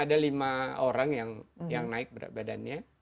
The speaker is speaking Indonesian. ya dari seratus itu hanya ada lima orang yang naik berat badannya